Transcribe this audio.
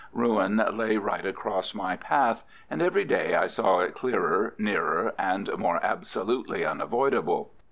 Ruin lay right across my path, and every day I saw it clearer, nearer, and more absolutely unavoidable.